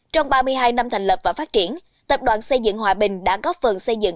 trong ba mươi hai năm thành lập và phát triển tập đoàn xây dựng hòa bình đã góp phần xây dựng